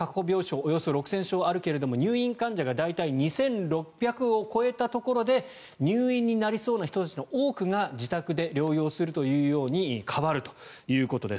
およそ６０００床あるけれど入院患者が大体２６００を超えたところで入院になりそうな人たちの多くが自宅で療養するということに変わるということです。